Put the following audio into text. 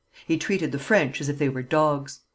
He treated the French as if they were dogs.